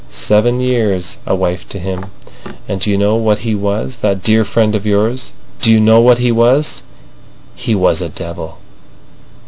Seven years a wife to him. And do you know what he was, that dear friend of yours? Do you know what he was? He was a devil!"